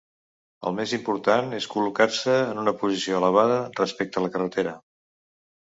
El més important és col·locar-se en una posició elevada respecte a la carretera.